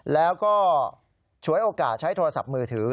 แล้วก็ฉวยโอกาสใช้โทรศัพท์มือถือ